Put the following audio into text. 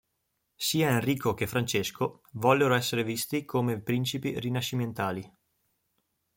Sia Enrico che Francesco vollero essere visti come principi rinascimentali.